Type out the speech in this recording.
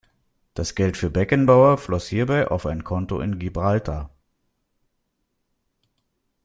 Das Geld für Beckenbauer floss hierbei auf ein Konto in Gibraltar.